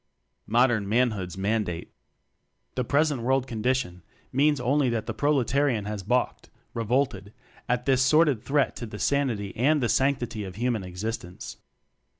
Modern Manhood's Mandate. The present "World condition" means only that the proletariat has balked, revolted, at this sordid threat to the sanity and the sanctity of Human existence.